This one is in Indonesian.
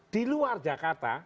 di luar jakarta